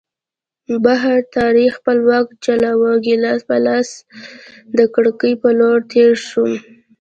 بهر تیارې خپل واک چلاوه، ګیلاس په لاس د کړکۍ په لور تېر شوم.